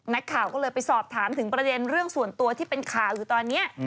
นักข่าวก็เลยไปสอบถามถึงประเด็นเรื่องส่วนตัวที่เป็นข่าวอยู่ตอนนี้